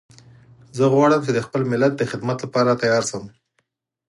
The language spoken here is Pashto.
زه غواړم چې د خپل ملت د خدمت لپاره تیار شم